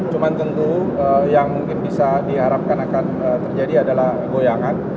cuma tentu yang mungkin bisa diharapkan akan terjadi adalah goyangan